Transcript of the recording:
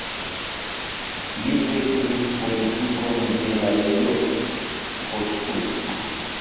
Li sekvis politikon de Lajos Kossuth.